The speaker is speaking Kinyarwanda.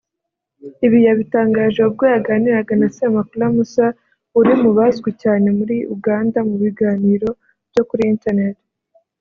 Ibi yabitangaje ubwo yaganiraga na Semakula Musa uri mu bazwi cyane muri Uganda mu biganiro byo kuri ‘internet’